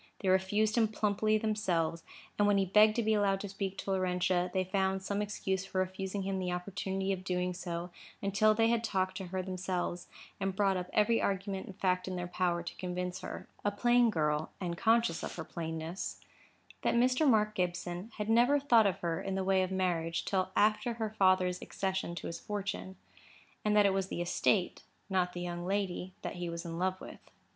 They refused him plumply themselves; and when he begged to be allowed to speak to Laurentia, they found some excuse for refusing him the opportunity of so doing, until they had talked to her themselves, and brought up every argument and fact in their power to convince her—a plain girl, and conscious of her plainness—that Mr. Mark Gibson had never thought of her in the way of marriage till after her father's accession to his fortune; and that it was the estate—not the young lady—that he was in love with.